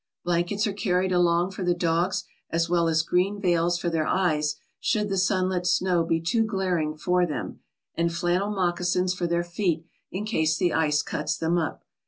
Blan kets are carried along for the dogs as well as green veils for their eyes should the sunlit snow be too glaring for them, and flannel moccasins for their feet in case the ice cuts them up.